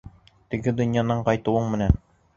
Теге донъянан ҡайтыуың менән!